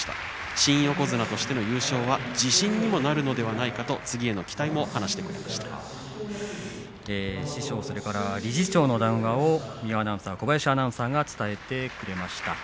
新横綱としての優勝は自信にもなるのではないかと師匠と理事長の談話を三輪アナウンサー小林アナウンサーが伝えてくれました。